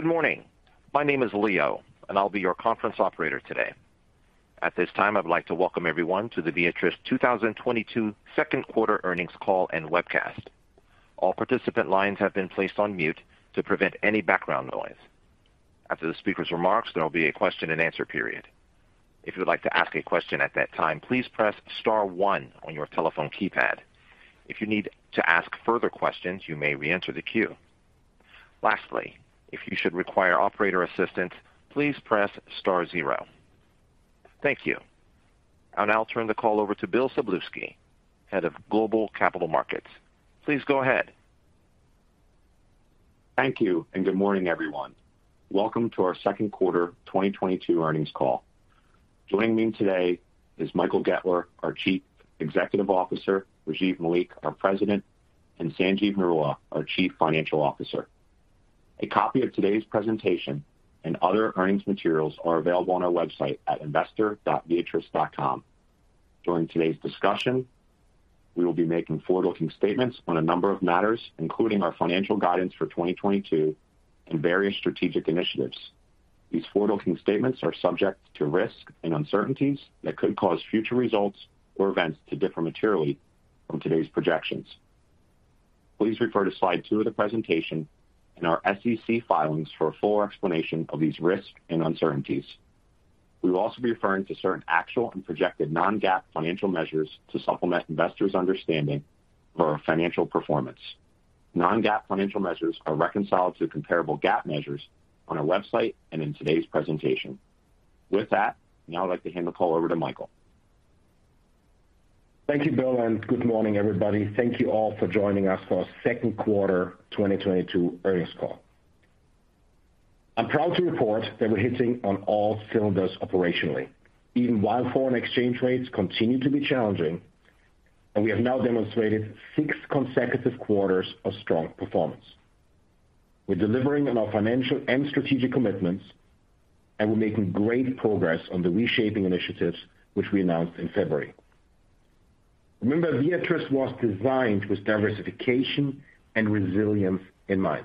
Good morning. My name is Leo, and I'll be your conference operator today. At this time, I'd like to welcome everyone to the Viatris 2022 second quarter earnings call and webcast. All participant lines have been placed on mute to prevent any background noise. After the speaker's remarks, there will be a question-and-answer period. If you would like to ask a question at that time, please press star one on your telephone keypad. If you need to ask further questions, you may re-enter the queue. Lastly, if you should require operator assistance, please press star zero. Thank you. I'll now turn the call over to Bill Szablewski, Head of Global Capital Markets. Please go ahead. Thank you, and good morning, everyone. Welcome to our second quarter 2022 earnings call. Joining me today is Michael Goettler, our Chief Executive Officer, Rajiv Malik, our President, and Sanjeev Narula, our Chief Financial Officer. A copy of today's presentation and other earnings materials are available on our website at investor.viatris.com. During today's discussion, we will be making forward-looking statements on a number of matters, including our financial guidance for 2022 and various strategic initiatives. These forward-looking statements are subject to risks and uncertainties that could cause future results or events to differ materially from today's projections. Please refer to slide two of the presentation and our SEC filings for a full explanation of these risks and uncertainties. We will also be referring to certain actual and projected non-GAAP financial measures to supplement investors' understanding of our financial performance. Non-GAAP financial measures are reconciled to comparable GAAP measures on our website and in today's presentation. With that, now I'd like to hand the call over to Michael. Thank you, Bill, and good morning, everybody. Thank you all for joining us for our second quarter 2022 earnings call. I'm proud to report that we're hitting on all cylinders operationally, even while foreign exchange rates continue to be challenging, and we have now demonstrated six consecutive quarters of strong performance. We're delivering on our financial and strategic commitments, and we're making great progress on the reshaping initiatives which we announced in February. Remember, Viatris was designed with diversification and resilience in mind.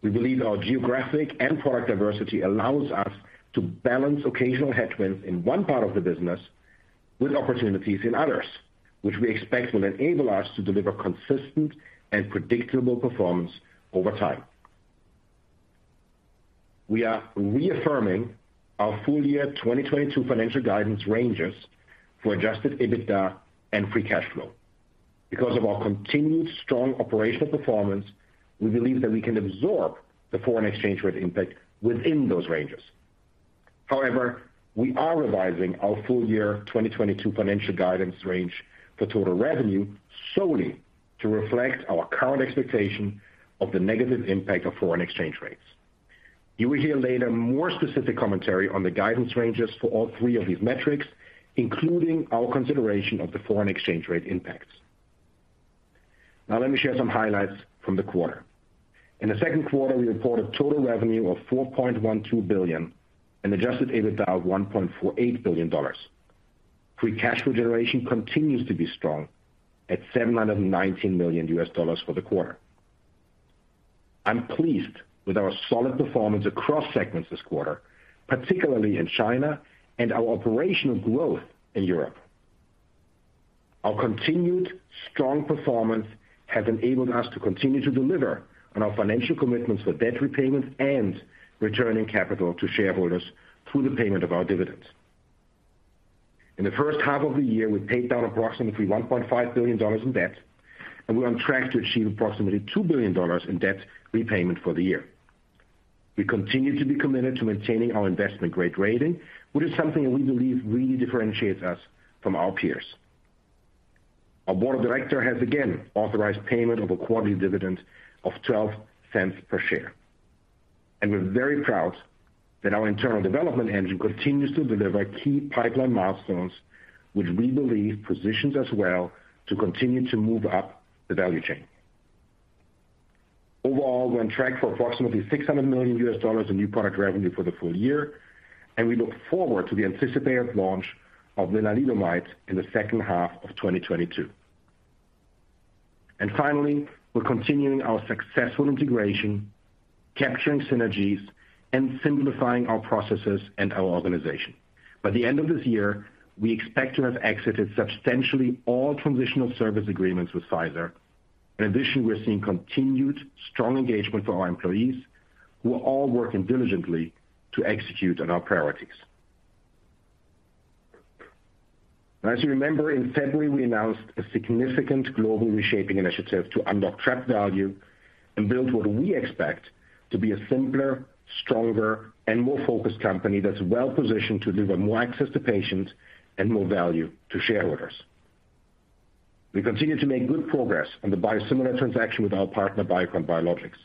We believe our geographic and product diversity allows us to balance occasional headwinds in one part of the business with opportunities in others, which we expect will enable us to deliver consistent and predictable performance over time. We are reaffirming our full year 2022 financial guidance ranges for Adjusted EBITDA and free cash flow. Because of our continued strong operational performance, we believe that we can absorb the foreign exchange rate impact within those ranges. However, we are revising our full year 2022 financial guidance range for total revenue solely to reflect our current expectation of the negative impact of foreign exchange rates. You will hear later more specific commentary on the guidance ranges for all three of these metrics, including our consideration of the foreign exchange rate impacts. Now let me share some highlights from the quarter. In the second quarter, we reported total revenue of $4.12 billion and Adjusted EBITDA of $1.48 billion. Free cash flow generation continues to be strong at $719 million for the quarter. I'm pleased with our solid performance across segments this quarter, particularly in China and our operational growth in Europe. Our continued strong performance has enabled us to continue to deliver on our financial commitments for debt repayments and returning capital to shareholders through the payment of our dividends. In the first half of the year, we paid down approximately $1.5 billion in debt, and we're on track to achieve approximately $2 billion in debt repayment for the year. We continue to be committed to maintaining our investment-grade rating, which is something we believe really differentiates us from our peers. Our board of directors has again authorized payment of a quarterly dividend of $0.12 per share. We're very proud that our internal development engine continues to deliver key pipeline milestones, which we believe positions us well to continue to move up the value chain. Overall, we're on track for approximately $600 million in new product revenue for the full year, and we look forward to the anticipated launch of lenalidomide in the second half of 2022. Finally, we're continuing our successful integration, capturing synergies, and simplifying our processes and our organization. By the end of this year, we expect to have exited substantially all Transition Service Agreements with Pfizer. In addition, we're seeing continued strong engagement for our employees, who are all working diligently to execute on our priorities. Now as you remember, in February, we announced a significant global reshaping initiative to unlock trapped value and build what we expect to be a simpler, stronger, and more focused company that's well-positioned to deliver more access to patients and more value to shareholders. We continue to make good progress on the biosimilar transaction with our partner Biocon Biologics.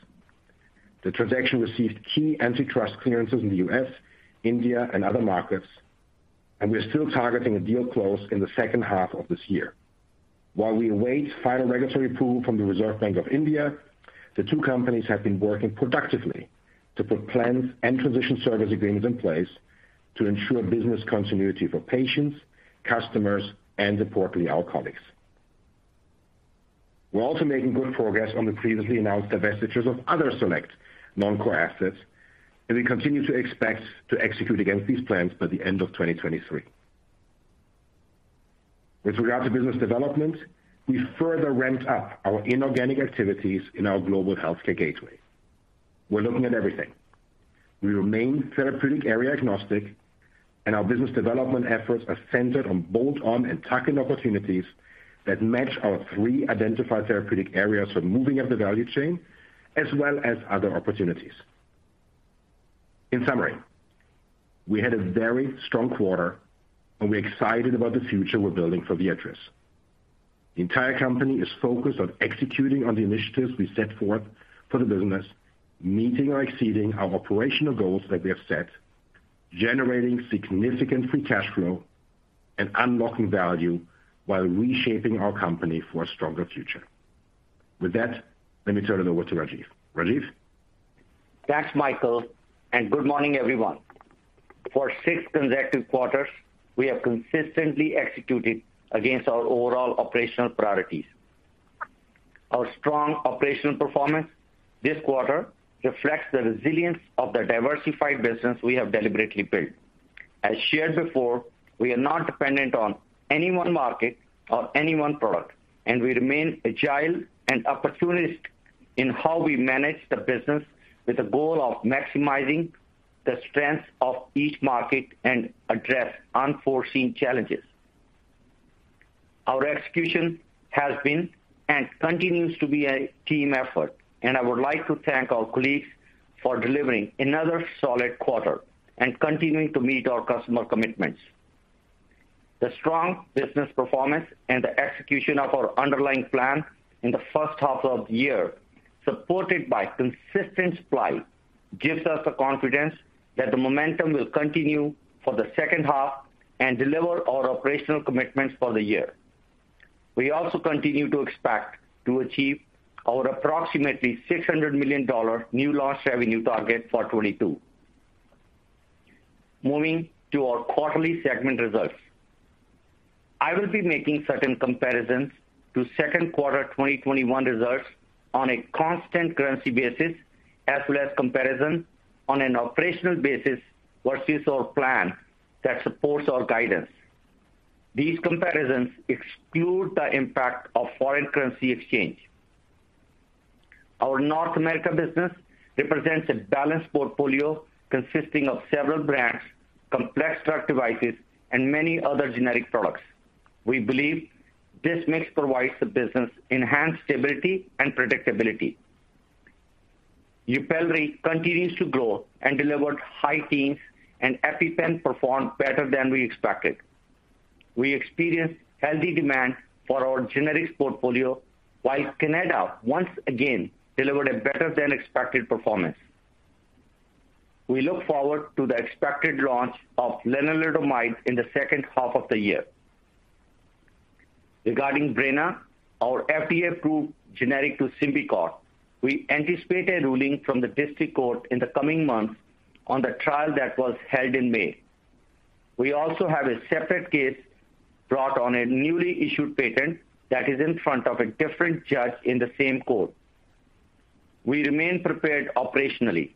The transaction received key antitrust clearances in the U.S., India, and other markets, and we are still targeting a deal close in the second half of this year. While we await final regulatory approval from the Reserve Bank of India, the two companies have been working productively to put plans and transition service agreements in place to ensure business continuity for patients, customers, and importantly, our colleagues. We're also making good progress on the previously announced divestitures of other select non-core assets, and we continue to expect to execute against these plans by the end of 2023. With regard to business development, we further ramped up our inorganic activities in our Global Healthcare Gateway. We're looking at everything. We remain therapeutic area agnostic, and our business development efforts are centered on bolt-on and tuck-in opportunities that match our three identified therapeutic areas for moving up the value chain as well as other opportunities. In summary, we had a very strong quarter, and we're excited about the future we're building for Viatris. The entire company is focused on executing on the initiatives we set forth for the business, meeting or exceeding our operational goals that we have set, generating significant free cash flow and unlocking value while reshaping our company for a stronger future. With that, let me turn it over to Rajiv. Rajiv? Thanks, Michael, and good morning, everyone. For six consecutive quarters, we have consistently executed against our overall operational priorities. Our strong operational performance this quarter reflects the resilience of the diversified business we have deliberately built. As shared before, we are not dependent on any one market or any one product, and we remain agile and opportunist in how we manage the business with the goal of maximizing the strength of each market and address unforeseen challenges. Our execution has been and continues to be a team effort, and I would like to thank our colleagues for delivering another solid quarter and continuing to meet our customer commitments. The strong business performance and the execution of our underlying plan in the first half of the year, supported by consistent supply, gives us the confidence that the momentum will continue for the second half and deliver our operational commitments for the year. We also continue to expect to achieve our approximately $600 million new launch revenue target for 2022. Moving to our quarterly segment results. I will be making certain comparisons to second quarter 2021 results on a constant currency basis as well as comparison on an operational basis versus our plan that supports our guidance. These comparisons exclude the impact of foreign currency exchange. Our North America business represents a balanced portfolio consisting of several brands, complex drug devices, and many other generic products. We believe this mix provides the business enhanced stability and predictability. Yupelri continues to grow and delivered high teens%, and EpiPen performed better than we expected. We experienced healthy demand for our generics portfolio, while Kineret once again delivered a better than expected performance. We look forward to the expected launch of Lenalidomide in the second half of the year. Regarding Breyna, our FDA-approved generic to Symbicort, we anticipate a ruling from the district court in the coming months on the trial that was held in May. We also have a separate case brought on a newly issued patent that is in front of a different judge in the same court. We remain prepared operationally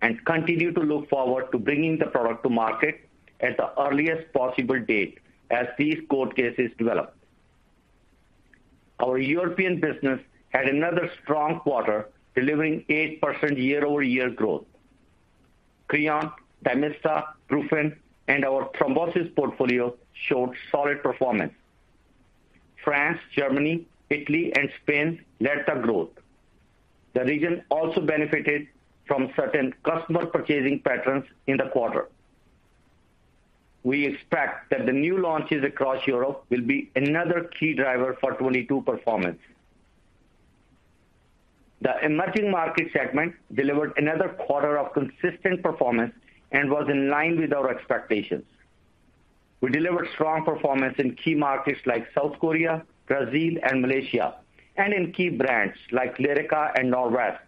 and continue to look forward to bringing the product to market at the earliest possible date as these court cases develop. Our European business had another strong quarter, delivering 8% year-over-year growth. Creon, Timosina, Brufen, and our thrombosis portfolio showed solid performance. France, Germany, Italy, and Spain led the growth. The region also benefited from certain customer purchasing patterns in the quarter. We expect that the new launches across Europe will be another key driver for 2022 performance. The emerging market segment delivered another quarter of consistent performance and was in line with our expectations. We delivered strong performance in key markets like South Korea, Brazil, and Malaysia, and in key brands like Lyrica and Norvasc.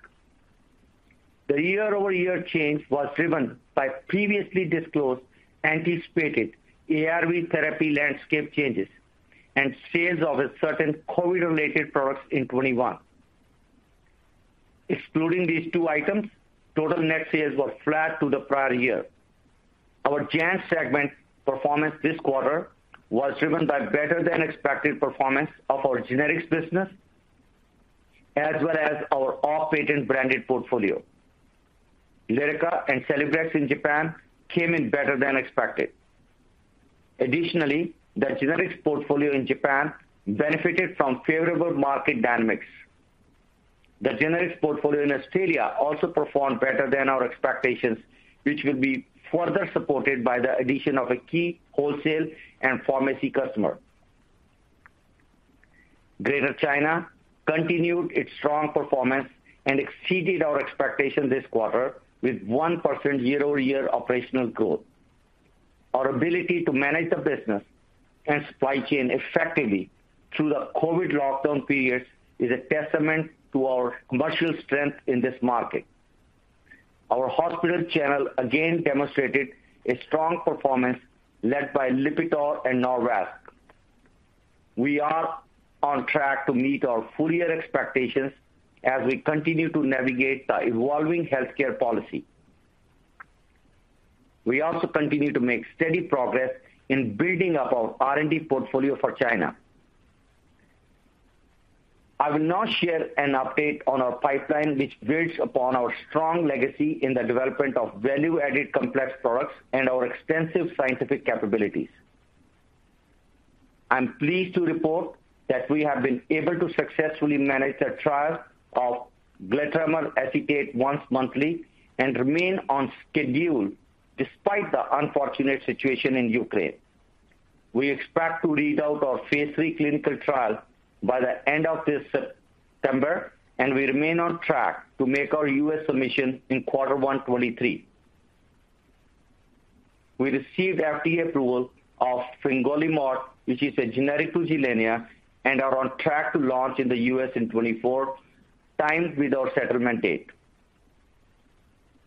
The year-over-year change was driven by previously disclosed anticipated ARV therapy landscape changes and sales of certain COVID-related products in 2021. Excluding these two items, total net sales were flat to the prior year. Our JANZ segment performance this quarter was driven by better than expected performance of our generics business as well as our off-patent branded portfolio. Lyrica and Celebrex in Japan came in better than expected. Additionally, the generics portfolio in Japan benefited from favorable market dynamics. The generics portfolio in Australia also performed better than our expectations, which will be further supported by the addition of a key wholesale and pharmacy customer. Greater China continued its strong performance and exceeded our expectations this quarter with 1% year-over-year operational growth. Our ability to manage the business and supply chain effectively through the COVID lockdown periods is a testament to our commercial strength in this market. Our hospital channel again demonstrated a strong performance led by Lipitor and Norvasc. We are on track to meet our full year expectations as we continue to navigate the evolving healthcare policy. We also continue to make steady progress in building up our R&D portfolio for China. I will now share an update on our pipeline, which builds upon our strong legacy in the development of value-added complex products and our extensive scientific capabilities. I'm pleased to report that we have been able to successfully manage the trial of glatiramer acetate once monthly and remain on schedule despite the unfortunate situation in Ukraine. We expect to read out our phase three clinical trial by the end of this September, and we remain on track to make our U.S. submission in quarter one 2023. We received FDA approval of Fingolimod, which is a generic to Gilenya, and are on track to launch in the U.S. in 2024, timed with our settlement date.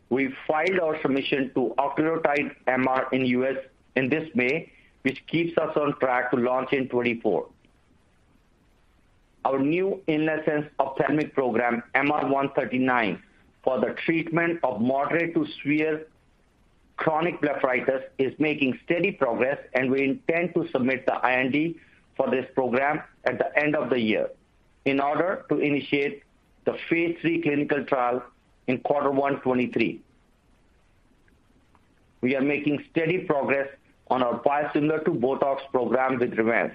We filed our submission to Octreotide MR in U.S. In this May, which keeps us on track to launch in 2024. Our new in-house ophthalmic program, MR-139, for the treatment of moderate to severe chronic blepharitis is making steady progress and we intend to submit the IND for this program at the end of the year in order to initiate the phase III clinical trial in quarter one 2023. We are making steady progress on our biosimilar to Botox program with Revance.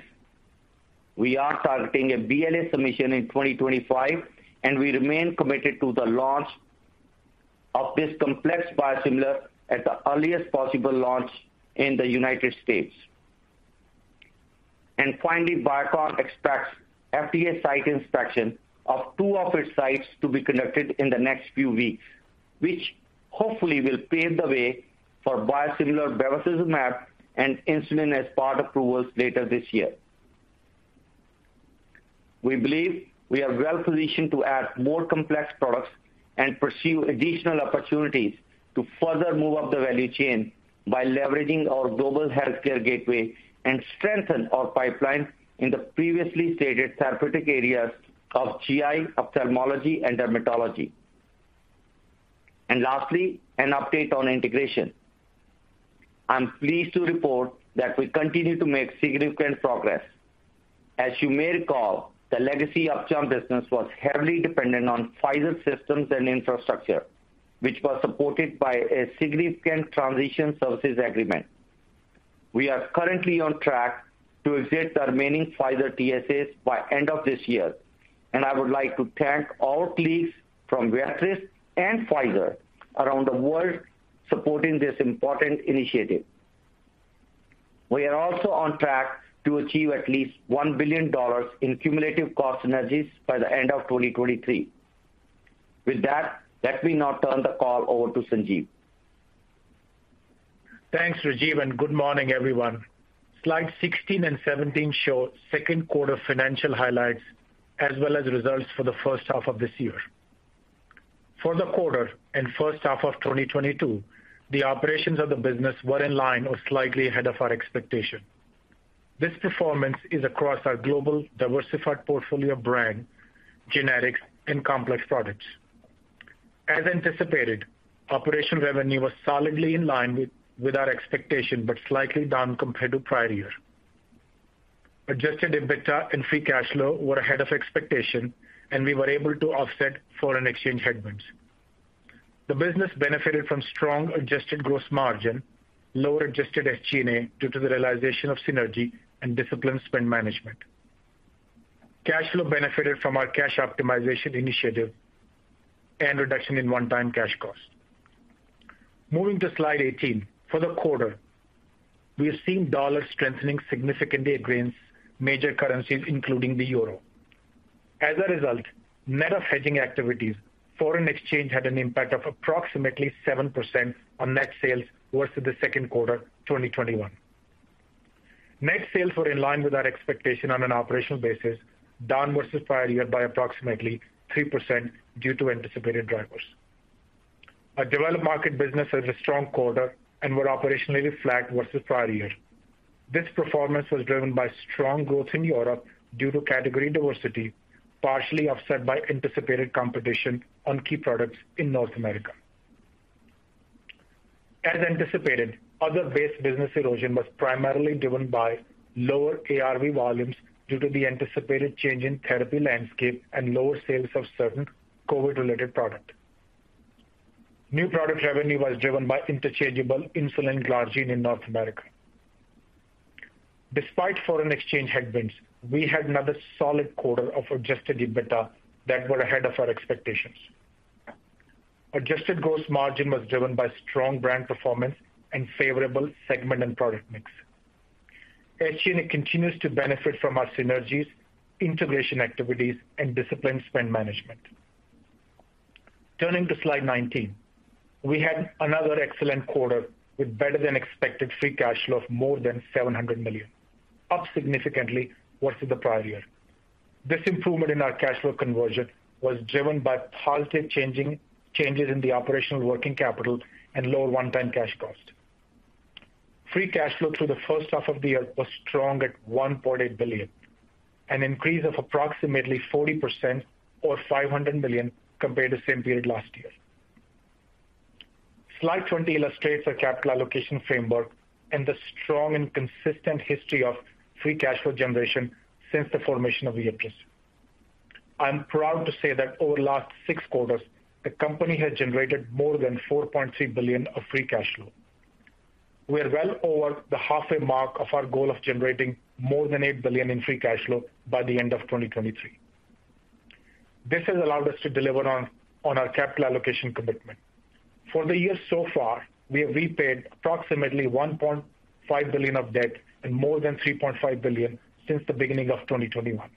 We are targeting a BLA submission in 2025, and we remain committed to the launch of this complex biosimilar at the earliest possible launch in the United States. Finally, Biocon expects FDA site inspection of two of its sites to be conducted in the next few weeks, which hopefully will pave the way for biosimilar bevacizumab and insulin aspart approvals later this year. We believe we are well-positioned to add more complex products and pursue additional opportunities to further move up the value chain by leveraging our Global Healthcare Gateway and strengthen our pipeline in the previously stated therapeutic areas of GI, ophthalmology, and dermatology. Lastly, an update on integration. I'm pleased to report that we continue to make significant progress. As you may recall, the legacy Upjohn business was heavily dependent on Pfizer systems and infrastructure, which was supported by a significant transition services agreement. We are currently on track to exit the remaining Pfizer TSAs by end of this year, and I would like to thank all colleagues from Viatris and Pfizer around the world supporting this important initiative. We are also on track to achieve at least $1 billion in cumulative cost synergies by the end of 2023. With that, let me now turn the call over to Sanjeev. Thanks, Rajiv, and good morning, everyone. Slide 16 and 17 show second quarter financial highlights as well as results for the first half of this year. For the quarter and first half of 2022, the operations of the business were in line or slightly ahead of our expectation. This performance is across our global diversified portfolio of brand, generics, and complex products. As anticipated, operational revenue was solidly in line with our expectation but slightly down compared to prior year. Adjusted EBITDA and free cash flow were ahead of expectation, and we were able to offset foreign exchange headwinds. The business benefited from strong adjusted gross margin, lower adjusted SG&A due to the realization of synergy and disciplined spend management. Cash flow benefited from our cash optimization initiative and reduction in one-time cash costs. Moving to slide 18. For the quarter, we have seen dollar strengthening significantly against major currencies, including the euro. As a result, net of hedging activities, foreign exchange had an impact of approximately 7% on net sales versus the second quarter 2021. Net sales were in line with our expectation on an operational basis, down versus prior year by approximately 3% due to anticipated drivers. Our developed market business has a strong quarter and were operationally flat versus prior year. This performance was driven by strong growth in Europe due to category diversity, partially offset by anticipated competition on key products in North America. As anticipated, other base business erosion was primarily driven by lower ARV volumes due to the anticipated change in therapy landscape and lower sales of certain COVID-related product. New product revenue was driven by interchangeable insulin glargine in North America. Despite foreign exchange headwinds, we had another solid quarter of Adjusted EBITDA that were ahead of our expectations. Adjusted gross margin was driven by strong brand performance and favorable segment and product mix. SG&A continues to benefit from our synergies, integration activities, and disciplined spend management. Turning to slide 19. We had another excellent quarter with better-than-expected free cash flow of more than $700 million, up significantly versus the prior year. This improvement in our cash flow conversion was driven by positive changes in the operational working capital and lower one-time cash cost. Free cash flow through the first half of the year was strong at $1.8 billion, an increase of approximately 40% or $500 million compared to the same period last year. Slide 20 illustrates our capital allocation framework and the strong and consistent history of free cash flow generation since the formation of Viatris. I'm proud to say that over the last six quarters, the company has generated more than $4.3 billion of free cash flow. We are well over the halfway mark of our goal of generating more than $8 billion in free cash flow by the end of 2023. This has allowed us to deliver on our capital allocation commitment. For the year so far, we have repaid approximately $1.5 billion of debt and more than $3.5 billion since the beginning of 2021.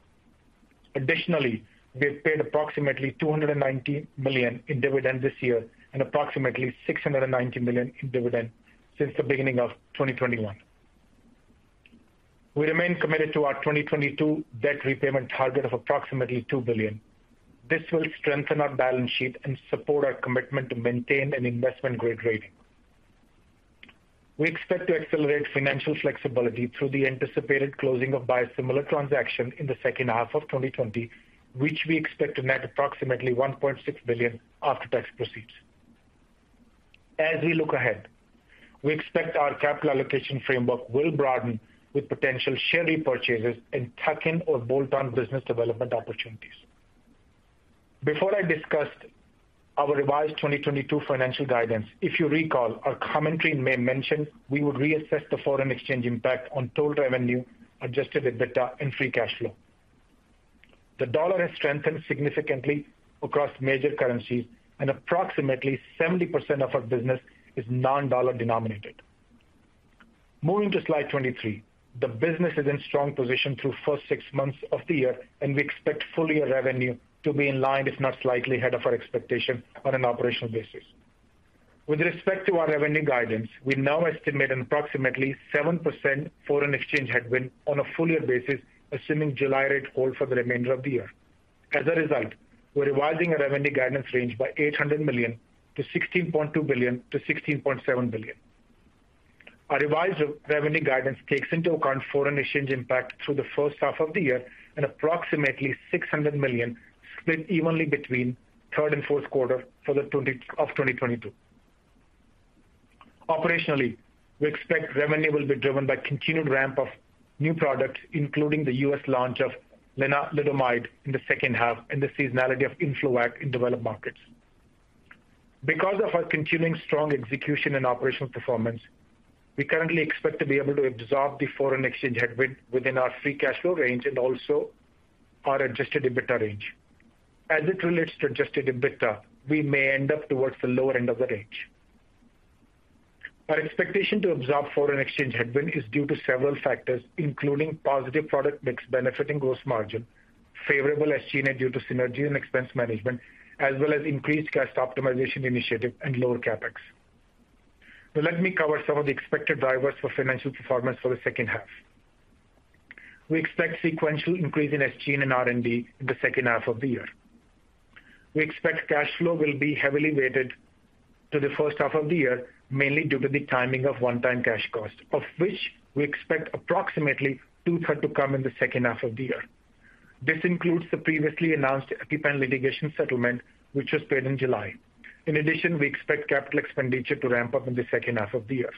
Additionally, we have paid approximately $290 million in dividends this year and approximately $690 million in dividends since the beginning of 2021. We remain committed to our 2022 debt repayment target of approximately $2 billion. This will strengthen our balance sheet and support our commitment to maintain an investment-grade rating. We expect to accelerate financial flexibility through the anticipated closing of biosimilar transaction in the second half of 2020, which we expect to net approximately $1.6 billion after-tax proceeds. As we look ahead, we expect our capital allocation framework will broaden with potential share repurchases and tuck-in or bolt-on business development opportunities. Before I discussed our revised 2022 financial guidance, if you recall, our commentary may mention we would reassess the foreign exchange impact on total revenue, Adjusted EBITDA and free cash flow. The dollar has strengthened significantly across major currencies and approximately 70% of our business is non-dollar denominated. Moving to slide 23. The business is in strong position through first six months of the year, and we expect full-year revenue to be in line, if not slightly ahead of our expectation on an operational basis. With respect to our revenue guidance, we now estimate an approximately 7% foreign exchange headwind on a full-year basis, assuming July rates hold for the remainder of the year. As a result, we're revising our revenue guidance range by $800 million to $16.2 billion-$16.7 billion. Our revised revenue guidance takes into account foreign exchange impact through the first half of the year and approximately $600 million split evenly between third and fourth quarter for 2022. Operationally, we expect revenue will be driven by continued ramp of new products, including the U.S. launch of Lenalidomide in the second half and the seasonality of Influvac in developed markets. Because of our continuing strong execution and operational performance, we currently expect to be able to absorb the foreign exchange headwind within our free cash flow range and also our Adjusted EBITDA range. As it relates to Adjusted EBITDA, we may end up towards the lower end of the range. Our expectation to absorb foreign exchange headwind is due to several factors, including positive product mix benefiting gross margin, favorable SG&A due to synergy and expense management, as well as increased cash optimization initiative and lower CapEx. Now let me cover some of the expected drivers for financial performance for the second half. We expect sequential increase in SG&A and R&D in the second half of the year. We expect cash flow will be heavily weighted to the first half of the year, mainly due to the timing of one-time cash costs, of which we expect approximately two-thirds to come in the second half of the year. This includes the previously announced EpiPen litigation settlement, which was paid in July. In addition, we expect capital expenditure to ramp up in the second half of the year.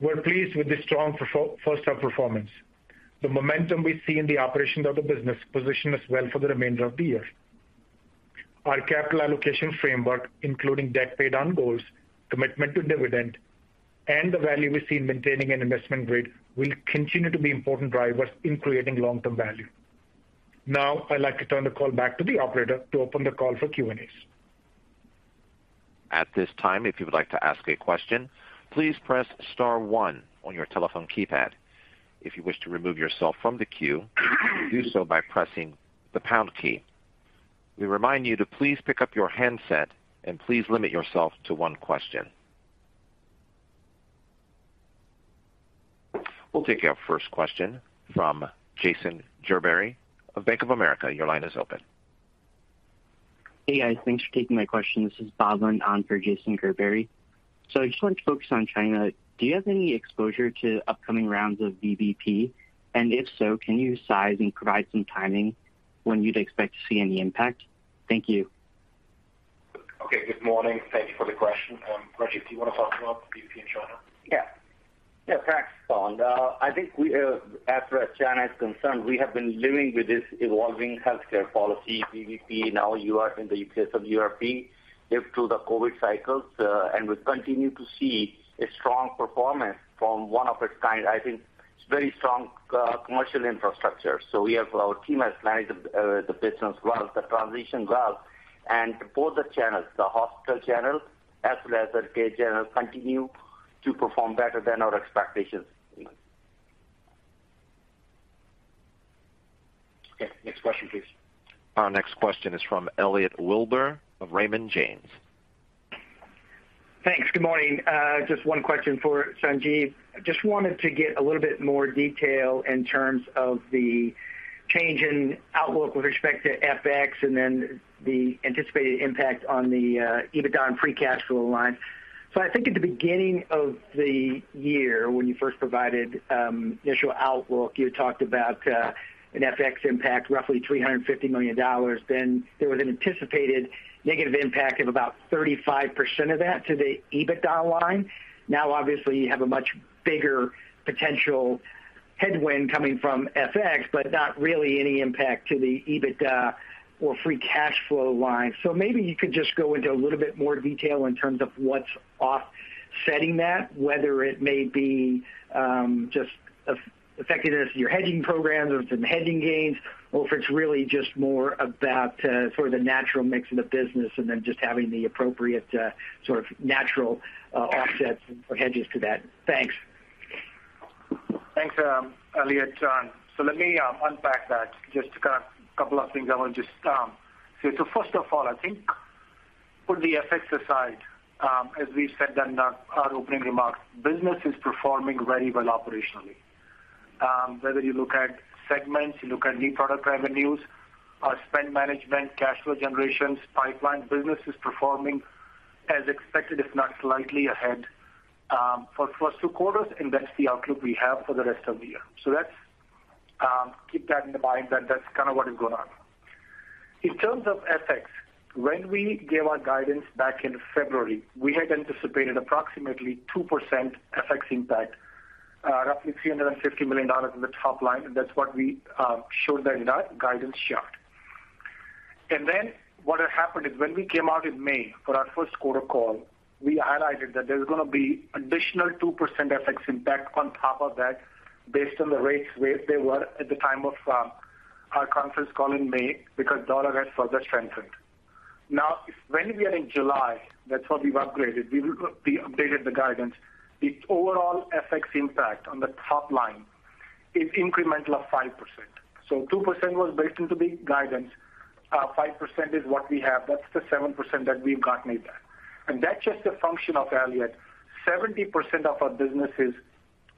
We're pleased with the strong first half performance. The momentum we see in the operations of the business position us well for the remainder of the year. Our capital allocation framework, including debt pay down goals, commitment to dividend, and the value we see in maintaining an investment grade, will continue to be important drivers in creating long-term value. Now, I'd like to turn the call back to the operator to open the call for Q&As. At this time, if you would like to ask a question, please press star one on your telephone keypad. If you wish to remove yourself from the queue, do so by pressing the pound key. We remind you to please pick up your handset and please limit yourself to one question. We'll take our first question from Jason Gerberry of Bank of America. Your line is open. Hey, guys. Thanks for taking my question. This is Bhavin on for Jason Gerberry. I just wanted to focus on China. Do you have any exposure to upcoming rounds of VBP? And if so, can you size and provide some timing when you'd expect to see any impact? Thank you. Okay. Good morning. Thank you for the question. Rajiv, do you want to talk about VBP in China? Yeah. Yeah, thanks, Bhavin. I think we are as far as China is concerned. We have been living with this evolving healthcare policy, VBP, now UR in the case of URP, live through the COVID cycles, and we continue to see a strong performance from one of its kind. I think it's very strong commercial infrastructure. Our team has managed the business well, the transition well, and both the channels, the hospital channel as well as the care channel continue to perform better than our expectations. Okay, next question, please. Our next question is from Elliot Wilbur of Raymond James. Thanks. Good morning. Just one question for Sanjeev. Just wanted to get a little bit more detail in terms of the change in outlook with respect to FX and then the anticipated impact on the EBITDA and free cash flow line. I think at the beginning of the year when you first provided initial outlook, you had talked about an FX impact roughly $350 million. There was an anticipated negative impact of about 35% of that to the EBITDA line. Now, obviously, you have a much bigger potential headwind coming from FX, but not really any impact to the EBITDA or free cash flow line. Maybe you could just go into a little bit more detail in terms of what's offsetting that, whether it may be just effectiveness of your hedging programs or some hedging gains, or if it's really just more about sort of the natural mix of the business and then just having the appropriate sort of natural offsets or hedges to that. Thanks. Thanks, Elliot. Let me unpack that. Just a couple of things I want to just say. First of all, I think put the FX aside, as we said in our opening remarks, business is performing very well operationally. Whether you look at segments, new product revenues, our spend management, cash flow generations, pipeline business is performing as expected, if not slightly ahead, for first two quarters, and that's the outlook we have for the rest of the year. Let's keep that in mind that that's kind of what is going on. In terms of FX, when we gave our guidance back in February, we had anticipated approximately 2% FX impact, roughly $350 million in the top line, and that's what we showed in that guidance chart. What had happened is when we came out in May for our first quarter call, we highlighted that there's gonna be additional 2% FX impact on top of that based on the rates where they were at the time of our conference call in May because dollar has further strengthened. Now, when we are in July, that's what we've upgraded. We updated the guidance. The overall FX impact on the top line is incremental of 5%. So 2% was baked into the guidance. 5% is what we have. That's the 7% that we've got made that. That's just a function of, Elliot, 70% of our business is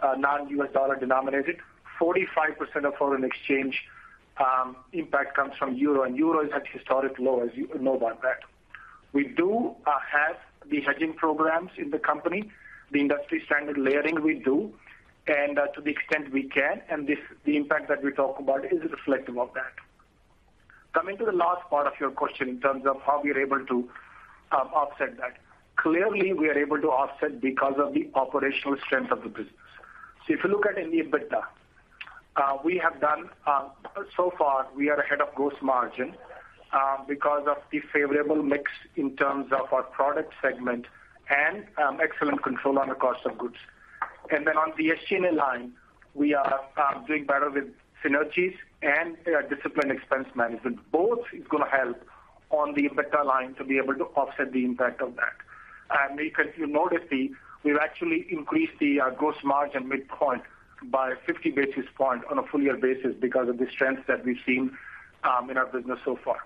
non-US dollar denominated. 45% of foreign exchange impact comes from euro, and euro is at historic low, as you know about that. We do have the hedging programs in the company, the industry standard layering we do, and to the extent we can, and this, the impact that we talk about is reflective of that. Coming to the last part of your question in terms of how we are able to offset that. Clearly, we are able to offset because of the operational strength of the business. If you look at an EBITDA, we have done so far, we are ahead of gross margin, because of the favorable mix in terms of our product segment and excellent control on the cost of goods. Then on the SG&A line, we are doing better with synergies and disciplined expense management. Both is gonna help on the EBITDA line to be able to offset the impact of that. If you notice we've actually increased the gross margin midpoint by 50 basis points on a full year basis because of the strengths that we've seen in our business so far.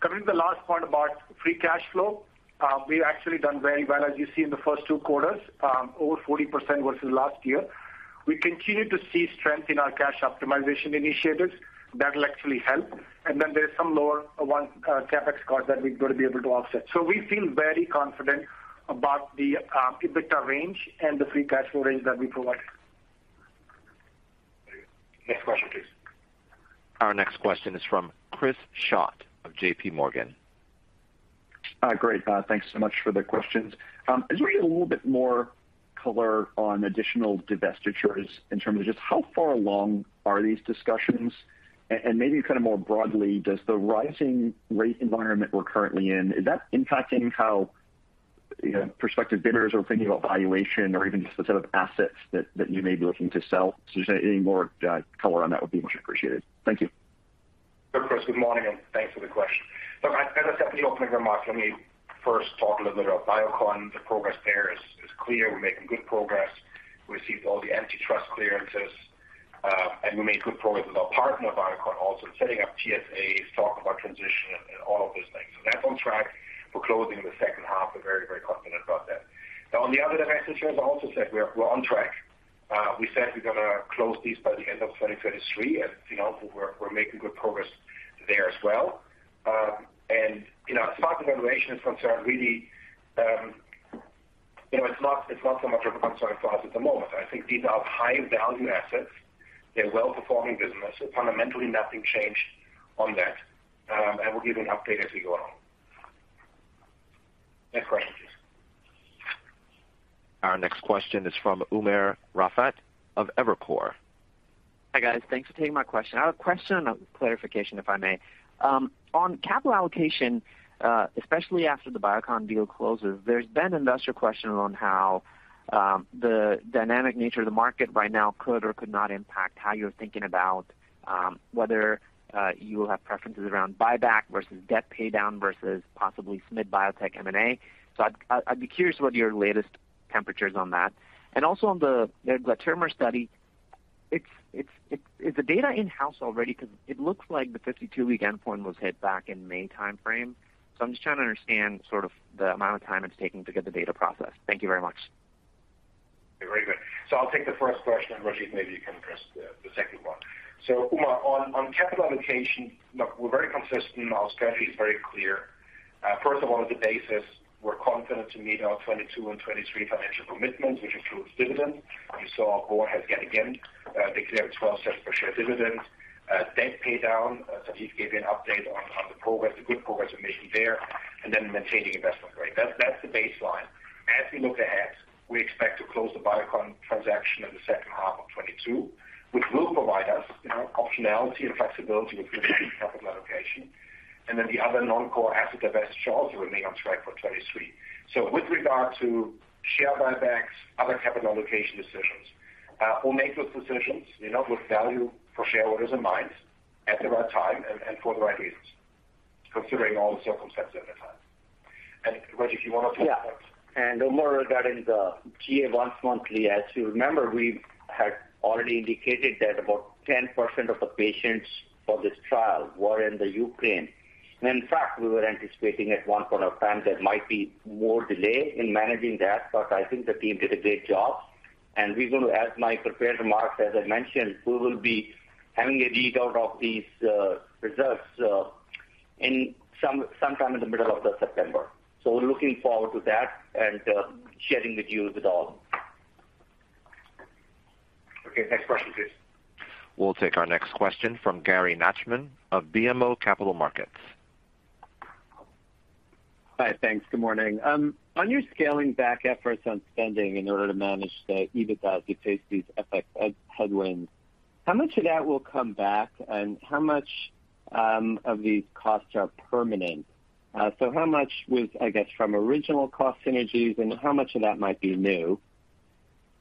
Coming to the last point about free cash flow, we've actually done very well as you see in the first two quarters over 40% versus last year. We continue to see strength in our cash optimization initiatives. That'll actually help. Then there's some lower one-time CapEx cost that we're gonna be able to offset. We feel very confident about the EBITDA range and the free cash flow range that we provided. Next question, please. Our next question is from Chris Schott of J.P. Morgan. Hi. Great. Thanks so much for the questions. Can we get a little bit more color on additional divestitures in terms of just how far along are these discussions? And maybe kind of more broadly, does the rising rate environment we're currently in, is that impacting how, you know, prospective bidders are thinking about valuation or even just the sort of assets that you may be looking to sell? Just any more color on that would be much appreciated. Thank you. Sure, Chris. Good morning, and thanks for the question. Look, as I said in the opening remarks, let me first talk a little bit about Biocon. The progress there is clear. We're making good progress. We received all the antitrust clearances, and we made good progress with our partner, Biocon, also setting up TSAs, talk about transition and all of those things. So that's on track. We're closing in the second half. We're very, very confident about that. Now, on the other divestitures, I also said we're on track. We said we're gonna close these by the end of 2023, and you know, we're making good progress there as well. You know, as far as the valuation is concerned, really, you know, it's not so much of a concern for us at the moment. I think these are high-value assets. They're well-performing business. Fundamentally nothing changed on that. And we'll give you an update as we go along. Next question, please. Our next question is from Umer Raffat of Evercore. Hi, guys. Thanks for taking my question. I have a question and a clarification, if I may. On capital allocation, especially after the Biocon deal closes, there's been investor question on how the dynamic nature of the market right now could or could not impact how you're thinking about whether you will have preferences around buyback versus debt paydown versus possibly some mid-biotech M&A. I'd be curious what your latest temperature is on that. Also on the glatiramer study. Is the data in-house already? Because it looks like the 52-week endpoint was hit back in May timeframe. I'm just trying to understand sort of the amount of time it's taking to get the data processed. Thank you very much. Very good. I'll take the first question, and Rajiv, maybe you can address the second one. Umer, on capital allocation, look, we're very consistent. Our strategy is very clear. First of all, at the basis, we're confident to meet our 2022 and 2023 financial commitments, which includes dividend. You saw ahead yet again declared $0.12 per share dividend. Debt pay down, Sanjeev gave you an update on the progress, the good progress we're making there, and then maintaining investment grade. That's the baseline. As we look ahead, we expect to close the Biocon transaction in the second half of 2022, which will provide us, you know, optionality and flexibility with future capital allocation. The other non-core asset divestiture also remain on track for 2023. With regard to share buybacks, other capital allocation decisions, we'll make those decisions, you know, with value for shareholders in mind at the right time and for the right reasons, considering all the circumstances at the time. Rajiv, you wanna take that? Yeah. Umar, regarding the GA once monthly, as you remember, we had already indicated that about 10% of the patients for this trial were in Ukraine. In fact, we were anticipating at one point in time there might be more delay in managing that, but I think the team did a great job. As in my prepared remarks, as I mentioned, we will be having a readout of these results sometime in the middle of September. We're looking forward to that and sharing with you the result. Okay, next question, please. We'll take our next question from Gary Nachman of BMO Capital Markets. Hi. Thanks. Good morning. On your scaling back efforts on spending in order to manage the EBITDA as you face these FX headwinds, how much of that will come back and how much of these costs are permanent? So how much was, I guess, from original cost synergies and how much of that might be new?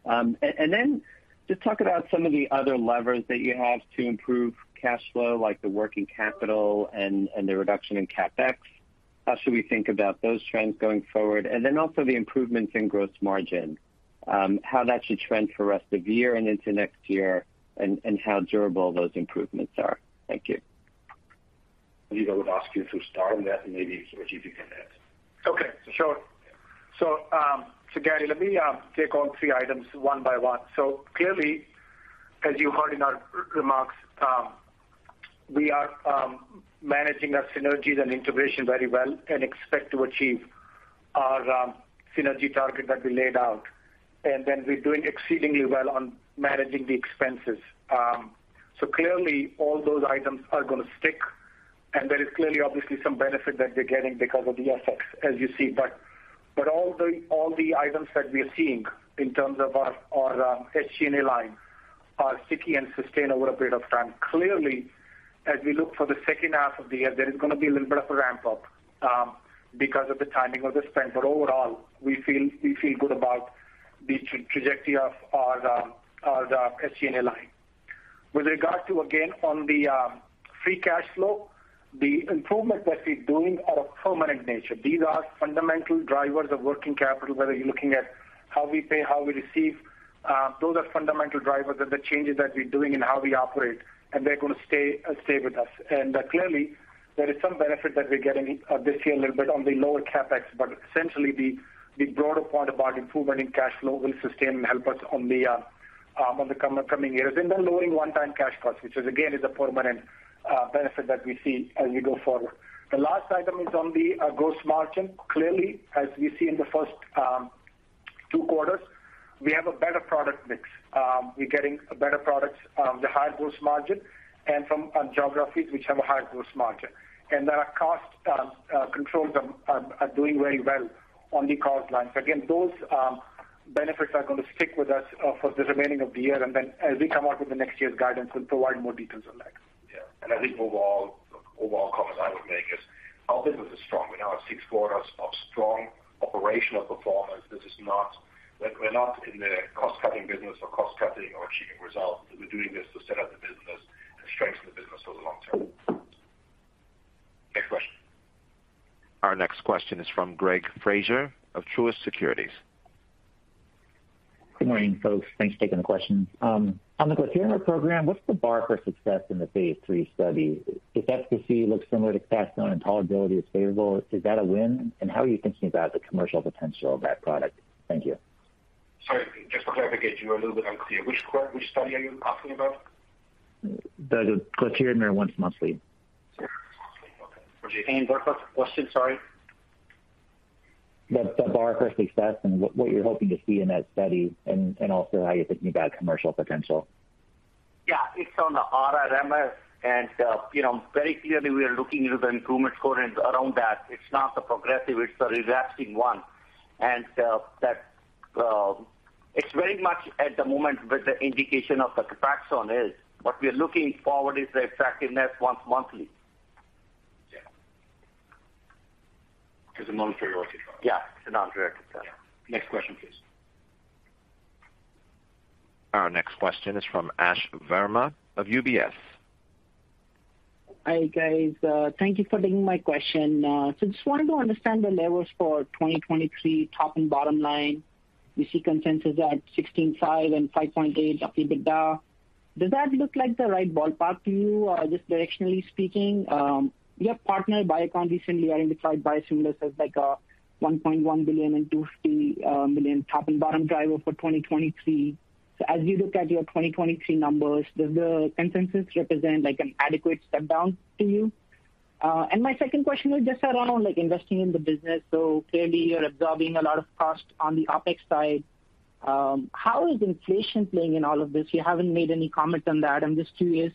And then just talk about some of the other levers that you have to improve cash flow, like the working capital and the reduction in CapEx. How should we think about those trends going forward? Then also the improvements in gross margin, how that should trend for rest of the year and into next year and how durable those improvements are. Thank you. Rajiv, I would ask you to start on that, and maybe, Sanjeev, you can add. Okay, sure. Gary Nachman, let me take on three items one by one. Clearly, as you heard in our remarks, we are managing our synergies and integration very well and expect to achieve our synergy target that we laid out. We're doing exceedingly well on managing the expenses. Clearly all those items are gonna stick, and there is clearly obviously some benefit that we're getting because of the FX, as you see. But all the items that we are seeing in terms of our SG&A line are sticky and sustained over a period of time. Clearly, as we look for the second half of the year, there is gonna be a little bit of a ramp up because of the timing of the spend. Overall, we feel good about the trajectory of our SG&A line. With regard to, again, on the free cash flow, the improvements that we're doing are of permanent nature. These are fundamental drivers of working capital, whether you're looking at how we pay, how we receive, those are fundamental drivers of the changes that we're doing in how we operate, and they're gonna stay with us. Clearly there is some benefit that we're getting this year a little bit on the lower CapEx. Essentially, the broader point about improvement in cash flow will sustain and help us on the coming years. Lowering one-time cash costs, which is again a permanent benefit that we see as we go forward. The last item is on the gross margin. Clearly, as we see in the first two quarters, we have a better product mix. We're getting better products, the higher gross margin and from geographies which have a higher gross margin. Our cost controls are doing very well on the cost lines. Again, those benefits are gonna stick with us for the remaining of the year and then as we come out with the next year's guidance, we'll provide more details on that. Yeah. I think overall comment I would make is our business is strong. We now have six quarters of strong operational performance. This is not. We're not in the cost cutting business or cost cutting or achieving results. We're doing this to set up the business and strengthen the business for the long term. Next question. Our next question is from Greg Fraser of Truist Securities. Good morning, folks. Thanks for taking the questions. On the glatiramer program, what's the bar for success in the phase III study? If efficacy looks similar to Copaxone and tolerability is favorable, is that a win? How are you thinking about the commercial potential of that product? Thank you. Sorry, just to clarify, you were a little bit unclear. Which study are you talking about? The glatiramer once monthly. Glatiramer once monthly. Okay. Rajiv? What was the question? Sorry. The bar for success and what you're hoping to see in that study and also how you're thinking about commercial potential. Yeah. It's on the RRMS and very clearly we are looking into the improvement score and around that. It's not the progressive, it's the relapsing one. It's very much at the moment what the indication of the Copaxone is. What we are looking forward is the effectiveness once monthly. Yeah. It's a monthly working product. Yeah. It's a non-directed, yeah. Next question, please. Our next question is from Ashwani Verma of UBS. Hi, guys. Thank you for taking my question. Just wanted to understand the levels for 2023 top and bottom line. We see consensus at $16.5 and $5.8 EBITDA. Does that look like the right ballpark to you, just directionally speaking? Your partner Biocon recently identified biosimilars as like a $1.1 billion 250 million top and bottom driver for 2023. As you look at your 2023 numbers, does the consensus represent like an adequate step down to you? My second question was just around like investing in the business. Clearly you're absorbing a lot of cost on the OpEx side. How is inflation playing in all of this? You haven't made any comment on that. I'm just curious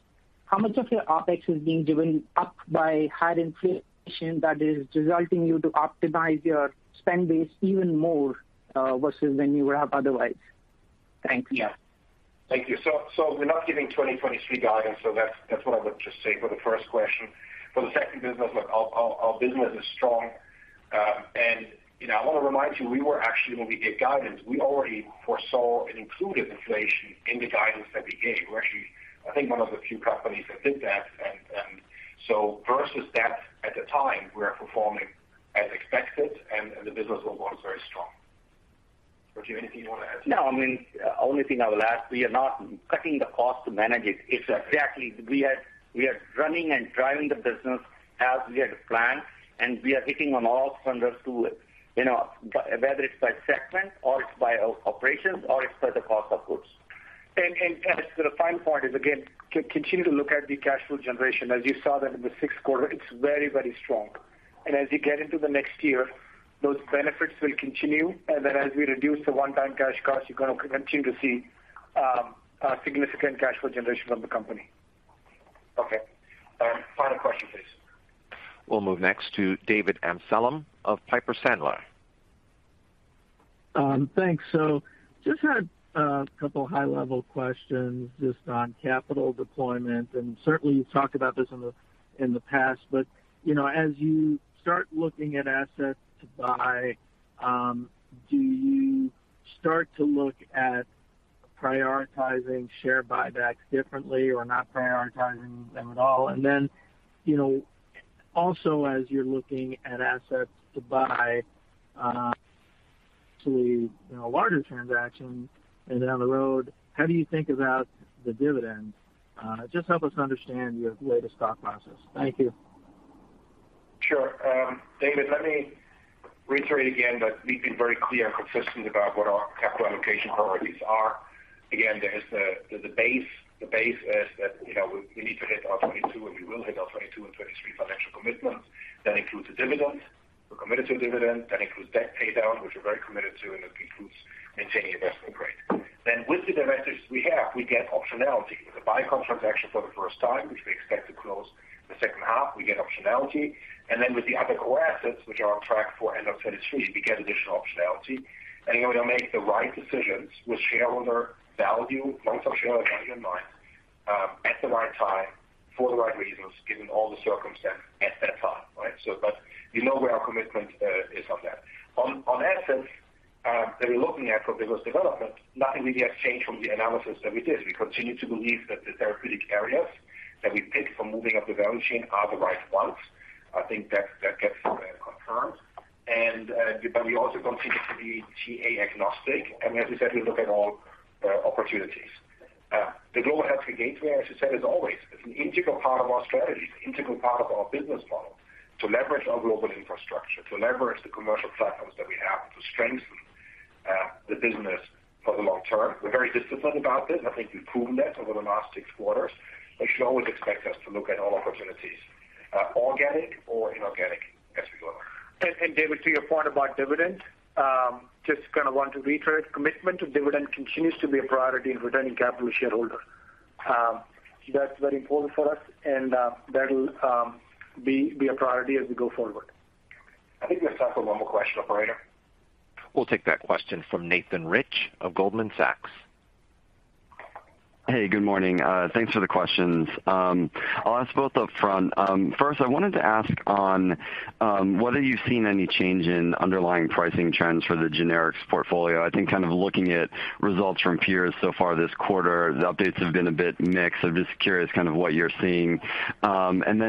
how much of your OpEx is being driven up by higher inflation that is resulting you to optimize your spend base even more, versus than you would have otherwise. Thank you. Yeah. Thank you. We're not giving 2023 guidance, so that's what I would just say for the first question. For the second business, look, our business is strong. You know, I want to remind you, we were actually when we gave guidance, we already foresaw and included inflation in the guidance that we gave. We're actually, I think one of the few companies that did that. Versus that, at the time, we are performing as expected and the business overall is very strong. Rajiv, anything you want to add? No, I mean, only thing I will add, we are not cutting the cost to manage it. It's exactly we are running and driving the business as we had planned, and we are hitting on all cylinders, you know, whether it's by segment or it's by operations or it's by the cost of goods. The final point is again, continue to look at the cash flow generation. As you saw that in the sixth quarter, it's very strong. As you get into the next year, those benefits will continue. Then as we reduce the one-time cash cost, you're gonna continue to see significant cash flow generation from the company. Okay. Final question, please. We'll move next to David Amsellem of Piper Sandler. Thanks. Just had a couple of high-level questions just on capital deployment, and certainly you've talked about this in the past. You know, as you start looking at assets to buy, do you start to look at prioritizing share buybacks differently or not prioritizing them at all? You know, also as you're looking at assets to buy, to larger transactions and down the road, how do you think about the dividend? Just help us understand your latest thought process. Thank you. Sure. David, let me reiterate again that we've been very clear and consistent about what our capital allocation priorities are. Again, there is the base. The base is that, you know, we need to hit our 2022, and we will hit our 2022 and 2023 financial commitments. That includes the dividend. We're committed to the dividend. That includes debt pay down, which we're very committed to, and it includes maintaining investment grade. Then with the divestitures we have, we get optionality. With the Biocon transaction for the first time, which we expect to close in the second half, we get optionality. Then with the other core assets which are on track for end of 2023, we get additional optionality. You know, we'll make the right decisions with shareholder value, long-term shareholder value in mind, at the right time for the right reasons, given all the circumstance at that time, right? But you know where our commitment is on that. On assets that we're looking at for business development, nothing really has changed from the analysis that we did. We continue to believe that the therapeutic areas that we picked for moving up the value chain are the right ones. I think that gets confirmed. But we also continue to be GA agnostic. As we said, we look at all opportunities. The Global Healthcare Gateway, as you said, is always. It's an integral part of our strategy. It's an integral part of our business model to leverage our global infrastructure, to leverage the commercial platforms that we have, to strengthen the business for the long term. We're very disciplined about this. I think we've proven that over the last six quarters. You should always expect us to look at all opportunities, organic or inorganic as we go along. David, to your point about dividend, just kinda want to reiterate, commitment to dividend continues to be a priority in returning capital to shareholder. That's very important for us and, that'll be a priority as we go forward. I think we have time for one more question, operator. We'll take that question from Nathan Rich of Goldman Sachs. Hey, good morning. Thanks for the questions. I'll ask both up front. First, I wanted to ask on whether you've seen any change in underlying pricing trends for the generics portfolio. I think kind of looking at results from peers so far this quarter, the updates have been a bit mixed. Just curious kind of what you're seeing.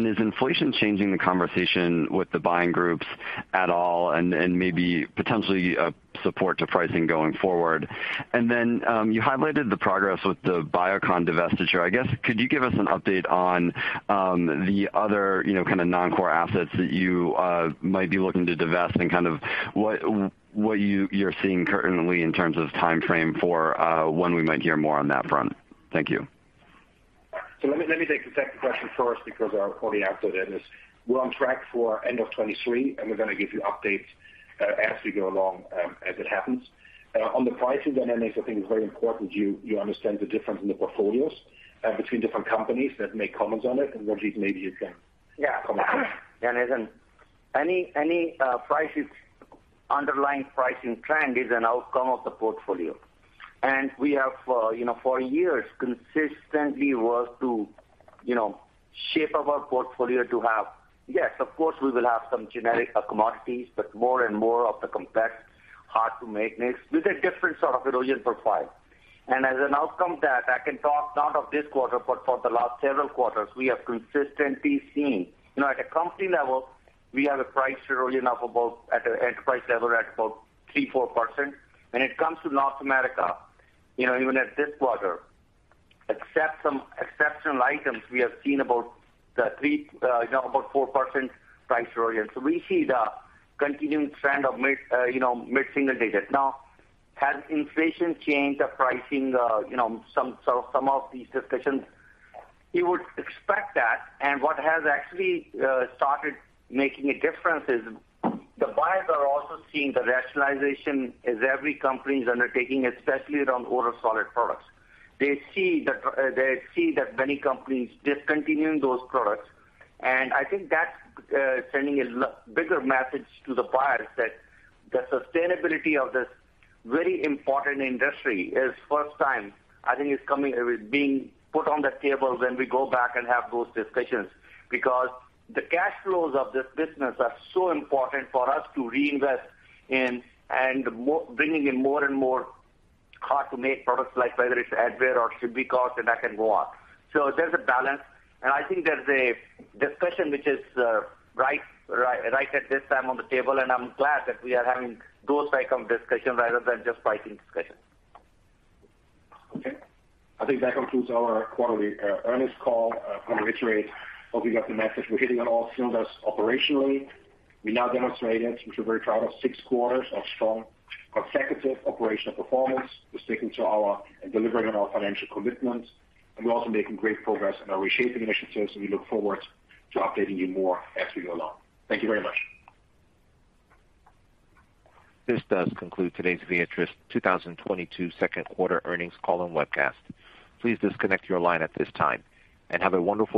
Is inflation changing the conversation with the buying groups at all and maybe potentially support to pricing going forward? You highlighted the progress with the Biocon divestiture. I guess could you give us an update on the other, you know, kinda non-core assets that you might be looking to divest and kind of what you are seeing currently in terms of timeframe for when we might hear more on that front? Thank you. Let me take the second question first because we've already answered it. We're on track for end of 2023, and we're gonna give you updates as we go along, as it happens. On the pricing dynamics, I think it's very important you understand the difference in the portfolios between different companies that make comments on it and Rajiv maybe you can- Yeah. Comment on that. Yeah, Nathan. Any underlying pricing trend is an outcome of the portfolio. We have, you know, for years consistently worked to, you know, shape our portfolio to have. Yes, of course, we will have some generic commodities, but more and more of the complex, hard to make mix with a different sort of erosion profile. As an outcome that I can talk about not of this quarter but for the last several quarters, we have consistently seen. You know, at a company level, we have pricing of about 3%-4% at an enterprise level. When it comes to North America, you know, even in this quarter, except some exceptional items, we have seen about 3%-4% pricing. We see the continuing trend of mid-single digits. Now, has inflation changed the pricing, you know, in some of these discussions? You would expect that, and what has actually started making a difference is the buyers are also seeing the rationalization as every company is undertaking, especially around older solid products. They see that many companies discontinuing those products, and I think that's sending a bigger message to the buyers that the sustainability of this very important industry is first time. I think it's coming it was being put on the table when we go back and have those discussions. Because the cash flows of this business are so important for us to reinvest in and more bringing in more and more hard to make products like whether it's Advair or Symbicort, and I can go on. There's a balance, and I think there's a discussion which is right at this time on the table, and I'm glad that we are having those type of discussions rather than just pricing discussions. Okay. I think that concludes our quarterly earnings call. I reiterate, hoping that the message we're firing on all cylinders operationally. We've now demonstrated, which we're very proud of, six quarters of strong consecutive operational performance. We're sticking to our plan and delivering on our financial commitments, and we're also making great progress in our reshaping initiatives, and we look forward to updating you more as we go along. Thank you very much. This does conclude today's Viatris 2022 second quarter earnings call and webcast. Please disconnect your line at this time, and have a wonderful day.